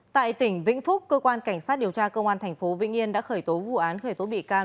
tại tỉnh vĩnh phúc cơ quan cảnh sát điều tra công an tp vĩnh yên đã khởi tố vụ án khởi tố bị can